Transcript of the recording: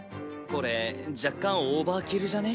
これ若干オーバーキルじゃね？